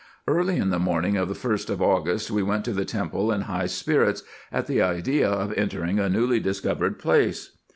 Early in the morning of the 1st of August we went to the temple in high spirits, at the idea of entering a newly discovered place.